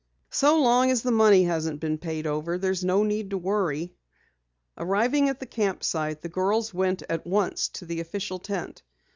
"So long as the money hasn't been paid over there's no need to worry." Arriving at the camp site, the girls went at once to the official tent.